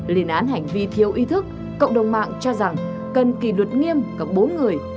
liên án hành vi thiêu ý thức cộng đồng mạng cho rằng cần kỳ luật nghiêm cả bốn người